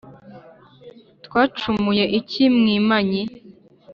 twacumuye iki mwimanyi